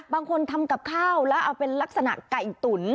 บางคนทำกับข้าวแล้วเอาเป็นลักษณะไก่ตุ๋น